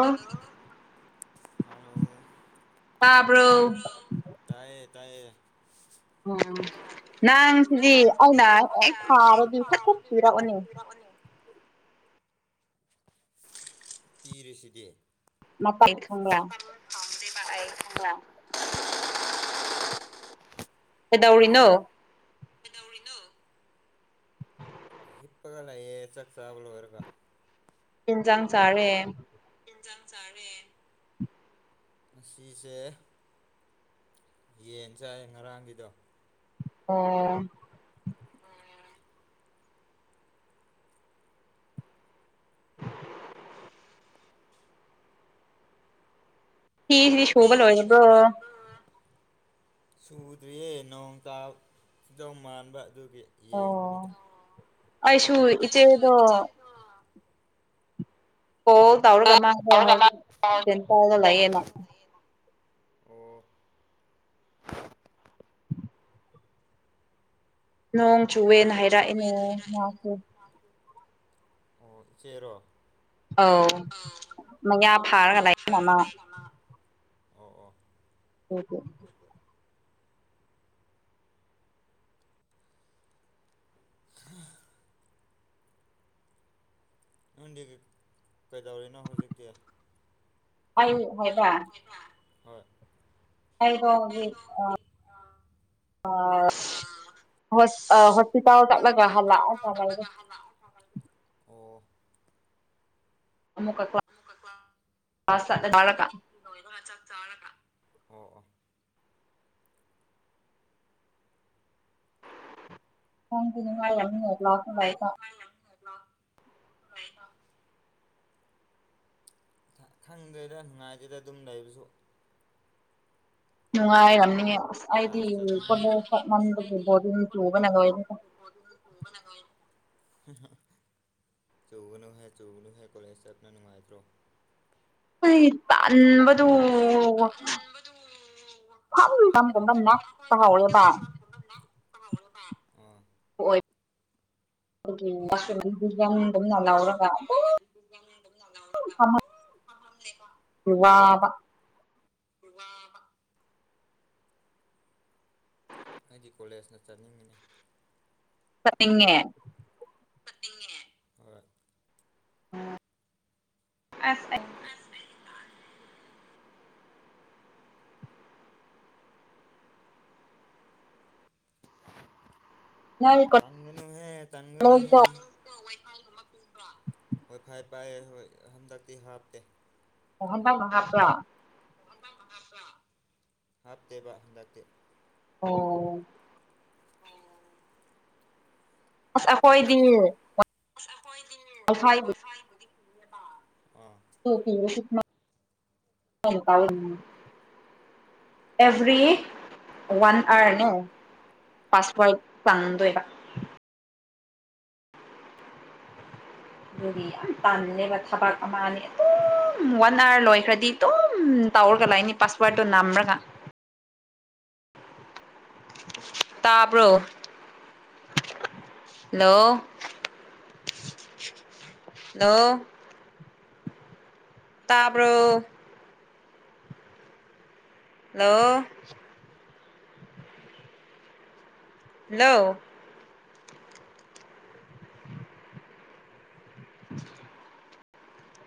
ꯑꯣ ꯇꯥꯕ꯭ꯔꯣ ꯇꯥꯌꯦ ꯇꯥꯌꯦ ꯎꯝ ꯅꯪ ꯁꯤꯗꯤ ꯑꯩꯅ ꯍꯦꯛ ꯊꯥꯔꯗꯤ ꯐꯖ ꯊꯤꯔꯛꯑꯣꯅꯦ ꯔꯛꯑꯣꯅꯦ ꯏꯤꯔꯤꯁꯤꯗꯤ ꯃꯄꯥꯏ ꯈꯪꯕ꯭ꯔꯥ ꯈꯪꯗꯦꯗ ꯑꯩ [unintelligible] ꯀꯩꯗꯧꯔꯤꯅꯣ ꯀꯩꯗꯧꯔꯤꯅꯣ ꯍꯤꯞꯄꯒ ꯂꯩꯌꯦ ꯆꯥꯛꯆꯥꯕ ꯂꯣꯏꯔꯒ ꯑꯦꯟꯁꯥꯡ ꯆꯥꯔꯦ ꯌꯦꯟꯁꯥꯡ ꯆꯥꯔꯦ ꯉꯁꯤꯁꯦ ꯌꯦꯟ ꯆꯥꯏ ꯉꯔꯥꯡꯒꯤꯗꯣ ꯑꯣ ꯑꯣ ꯐꯤꯁꯤꯗꯤ ꯁꯨꯕ ꯂꯣꯏꯔꯕꯣ ꯁꯨꯗ꯭ꯔꯤꯌꯦ ꯅꯣꯡ ꯇꯥꯒꯗꯧ ꯃꯥꯟꯕ ꯑꯗꯨꯒꯤ ꯌꯦꯡꯕꯅꯤꯗ ꯑꯣ ꯑꯩꯁꯨ ꯏꯆꯤꯟ ꯀꯣꯜ ꯇꯧꯔꯒ [unintelligible] ꯆꯟꯇꯔꯗ ꯂꯩꯌꯦ ꯃꯥ ꯑꯣ ꯅꯣꯡ ꯆꯨꯋꯦꯅ ꯍꯥꯏꯔꯛꯑꯦꯅꯦ [unintelligible] [unintelligible] ꯑꯣ ꯏꯆꯦꯔꯣ ꯑꯧ ꯃꯌꯥ ꯐꯥꯔꯒ [unintelligible] ꯑꯣ ꯑꯣ [unintelligible] ꯍ ꯅꯪꯗꯤ ꯀꯩꯗꯧꯔꯤꯅꯣ ꯍꯧꯖꯤꯛꯇꯤ ꯑꯩ ꯍꯥꯏ ꯍꯥꯏ ꯑ ꯑ ꯍꯣꯢ ꯍꯣꯁꯄꯤꯇꯥꯜ ꯆꯂꯒ ꯍꯜꯂꯔ ꯑꯣ ꯑꯃꯨꯛꯀ ꯀꯂ꯭ꯥꯁ ꯀꯂ꯭ꯥꯁ ꯆꯠꯂꯅꯤ ꯁꯤ ꯂꯣꯏꯕꯒ ꯆꯥꯛꯆꯥꯔꯒ ꯑꯣ ꯑꯣ [unintelligible] ꯀ꯭ꯂꯥꯁꯇ ꯂꯥꯏꯔꯤꯛ ꯇꯥꯛ [unintelligible] ꯈꯪꯗꯦꯗ ꯅꯨꯡꯉꯥꯏꯇꯦꯗ ꯑꯗꯨꯝ ꯂꯩꯕꯁꯨ ꯅꯨꯡꯉꯥꯏꯔꯝꯅꯤꯌꯦ ꯑꯁ ꯑꯩꯗꯤ ꯀꯣꯂꯦꯖ [unintelligible] ꯕꯣꯔꯗꯤꯡꯒꯤ ꯇꯨꯕꯅ ꯂꯣꯏꯔꯦꯗ [inaudible] ꯆꯧꯒꯅꯨ ꯍꯥꯏ ꯆꯒꯅꯨ ꯍꯥꯏ ꯀꯣꯂꯦꯖ ꯆꯠꯅ ꯅꯨꯡꯉꯥꯏꯇ꯭ꯔꯣ ꯕꯗꯨ ꯑꯣ ꯐꯝ ꯐꯝ ꯀꯝꯕ ꯅꯛꯄꯍꯥꯎꯔꯦꯕ [unintelligible] ꯗꯤꯖꯥꯏꯟꯒꯝꯅ ꯂꯧꯔꯒ ꯏ ꯀ ꯀ ꯋꯥ ꯑꯩꯗꯤ ꯀꯣꯂꯦꯁꯅ ꯆꯠꯅꯤꯡꯉꯤꯅꯦ ꯆꯜꯅꯤꯉꯦ ꯍꯣꯢ ꯑꯁ ꯑꯁ ꯑꯩꯒꯤ ꯇꯥꯟ ꯇꯪꯒꯅꯨꯍꯦ ꯇꯪꯒꯅꯨꯍꯦ ꯍꯣꯏ ꯌꯥꯢ ꯐꯥꯏ ꯍꯣꯏ ꯍꯟꯗꯛꯇꯤ ꯍꯥꯞꯇꯦ ꯇꯍꯟꯗ ꯃꯥꯄꯥ ꯍꯥꯞꯇꯦꯕ ꯍꯟꯗꯛꯇꯦ ꯑꯣ ꯑꯣ ꯑꯁ ꯑꯩꯈꯣꯏꯗꯤꯥ ꯑ ꯀꯥ ꯑꯦꯚ꯭ꯔꯤ ꯋꯥꯟ ꯑꯥꯅꯤꯡ ꯄꯥꯁꯋꯥꯔ ꯇꯥꯡꯗꯣꯢꯕ ꯔꯤ ꯇꯥꯜꯕꯅꯦꯕ ꯊꯕꯛ ꯑꯃꯅꯦ ꯑꯗꯨꯝ ꯋꯥꯅꯔꯒ ꯂꯣꯏꯈ꯭ꯔꯗꯤ ꯑꯗꯨꯝ ꯇꯥꯎꯔꯒ ꯂꯥꯛꯅꯤ ꯄꯥꯁꯋꯥꯔꯗꯨ ꯅꯝꯔꯒ ꯇꯥꯕ꯭ꯔꯣ ꯍꯂꯣ ꯍꯜꯂꯣ ꯇꯥꯕ꯭ꯔꯣ ꯍꯜꯂꯣ ꯍꯜꯂꯣ [inaudible]